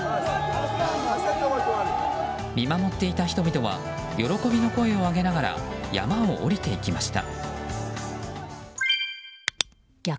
見守っていた人々は喜びの声を上げながら山を下りていきました。